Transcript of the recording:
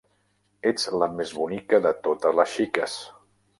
Ets la més bonica de totes les xiques.